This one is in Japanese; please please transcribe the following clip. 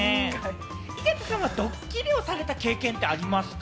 井桁さんはドッキリをされた経験ってありますか？